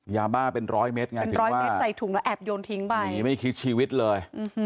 ยาบ้าเป็นร้อยเมตรไงเป็นร้อยเมตรใส่ถุงแล้วแอบโยนทิ้งไปไม่คิดชีวิตเลย